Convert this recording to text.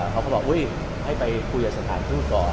เขาก็บอกอุ๊ยให้ไปคุยกับสถานทูตก่อน